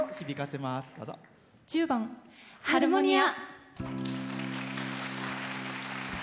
１０番「ハルモニア」。